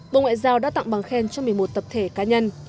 bộ ngoại giao đã tặng bằng khen cho một mươi một tập thể cá nhân